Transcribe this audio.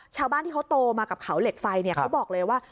ชาวบ้านที่เขาโตมากับเขาเหล็กไฟเขาบอกเลยว่า